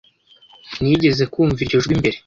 Nigeze kumva iryo jwi mbere.